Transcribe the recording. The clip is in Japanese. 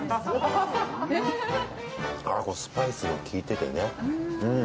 スパイスが効いててねうん。